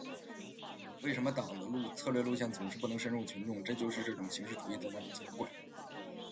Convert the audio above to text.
为什么党的策略路线总是不能深入群众，就是这种形式主义在那里作怪。